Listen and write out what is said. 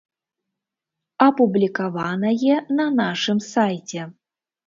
Апублікаванае на нашым сайце.